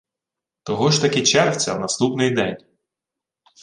Того ж таки червця, в наступний день